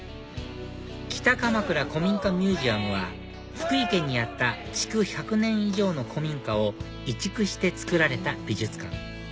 北鎌倉古民家ミュージアムは福井県にあった築１００年以上の古民家を移築してつくられた美術館